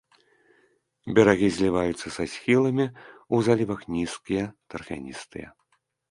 Берагі зліваюцца са схіламі, у залівах нізкія, тарфяністыя.